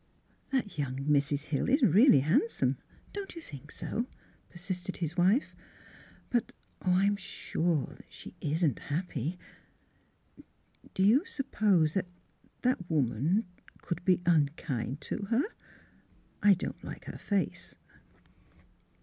''" That young Mrs. Hill is really handsome; don't you think so? " persisted his wife. '' But, oh, I'm sure she — ^isn't happy. Do you suppose that — that woman could be unkind to her ? I don 't like her face."